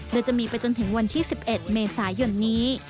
โดยจะมีไปจนถึงวันที่๑๑เมษายนนี้